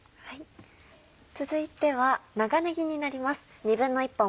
続いては長ねぎになります。